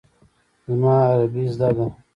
زما عربي زده ده.